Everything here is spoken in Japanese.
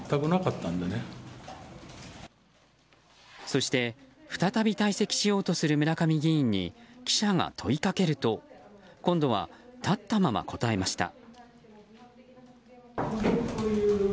そして、再び退席しようとする村上議員に記者が問いかけると今度は立ったまま答えました。